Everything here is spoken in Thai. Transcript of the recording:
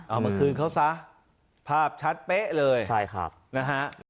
เอามาคืนเขาซะภาพชัดเป๊ะเลยใช่ครับนะฮะ